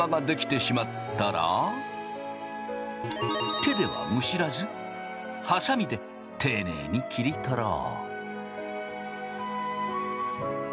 手ではむしらずハサミで丁寧に切り取ろう。